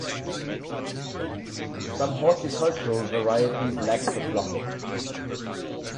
Some horticultural varieties lack the flocking.